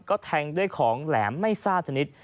ก็แทงด้วยของแหลมไม่ทราบชนิด